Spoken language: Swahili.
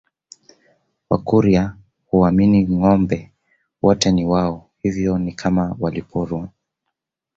Wakurya huamini ngombe wote ni wao hivyo ni kama waliporwa